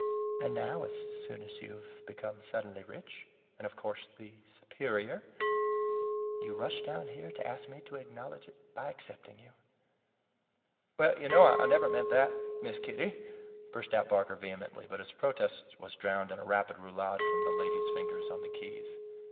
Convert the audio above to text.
And now, as soon as you have become suddenly rich, and, of course, the SUPERIOR, you rush down here to ask me to acknowledge it by accepting you!" "You know I never meant that, Miss Kitty," burst out Barker vehemently, but his protest was drowned in a rapid roulade from the young lady's fingers on the keys.